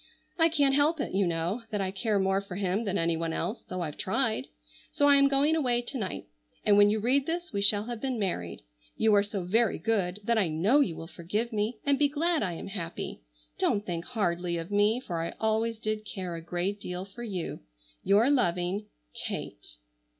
I can't help it, you know, that I care more for him than anyone else, though I've tried. So I am going away to night and when you read this we shall have been married. You are so very good that I know you will forgive me, and be glad I am happy. Don't think hardly of me for I always did care a great deal for you. "Your loving "KATE."